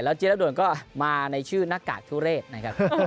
แล้วเจี๊ยบด่วนก็มาในชื่อนากากทุเรศนะครับ